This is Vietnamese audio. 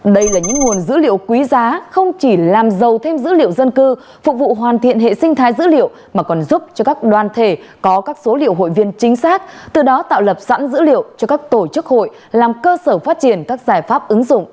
đây là những nguồn dữ liệu quý giá không chỉ làm giàu thêm dữ liệu dân cư phục vụ hoàn thiện hệ sinh thái dữ liệu mà còn giúp cho các đoàn thể có các số liệu hội viên chính xác từ đó tạo lập sẵn dữ liệu cho các tổ chức hội làm cơ sở phát triển các giải pháp ứng dụng